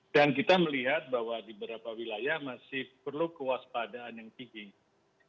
dan kita melihat bahwa di beberapa wilayah masih perlu kewaspadaan yang tinggi